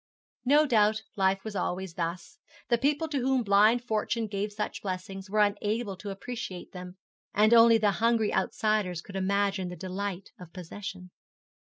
No doubt life was always thus. The people to whom blind fortune gave such blessings were unable to appreciate them, and only the hungry outsiders could imagine the delight of possession.